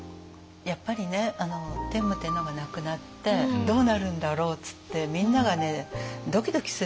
やっぱりね天武天皇が亡くなってどうなるんだろうっつってみんながドキドキするわけですよ。